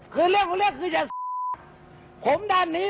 คือเรื่องของเรื่องคืออย่าผมด้านนี้